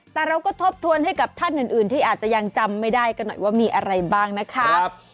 แต่เราก็ทบทวนให้กับท่านอื่นที่อาจจะยังจำไม่ได้กันหน่อยว่ามีอะไรบ้างนะคะ